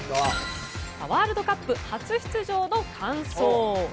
ワールドカップ初出場の感想。